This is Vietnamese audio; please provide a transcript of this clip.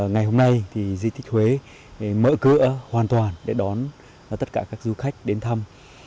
ngày hôm nay thì di tích huế mở cửa hoàn toàn để đón tất cả các du khách đến thăm